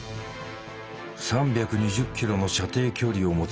３２０ｋｍの射程距離を持つ